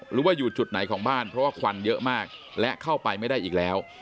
หรือว่าอยู่จุดไหนของบ้านเพราะว่าควันเยอะมากและเข้าไปไม่ได้อีกแล้ว